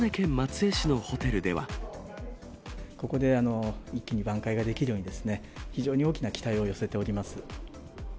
ここで一気に挽回ができるように、非常に大きな期待を寄せております。